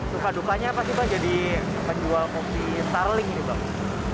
suka dukanya apa sih bang jadi penjual kopi starling nih bang